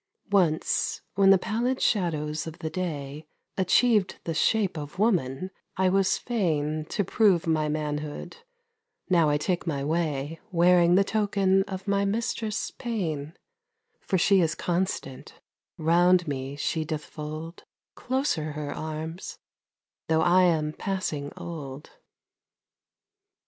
Once, when the pallid shadows of the day Achieved the shape of woman, I was fain To prove my manhood, now I take my way Wearing the token of my mistress Pain, For she is constant, round me she doth fold Closer her arms, though I am passing old.